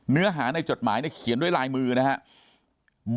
เนื้อหาในจดหมายเนี่ยเขียนด้วยลายมือนะครับ